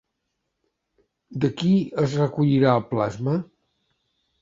De qui es recollirà el plasma?